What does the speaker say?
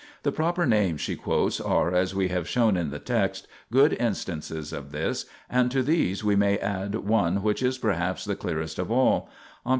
The proper names she quotes are, as we have shown in the text, good instances of this, and to these we may add one which is perhaps the clearest of all : on p.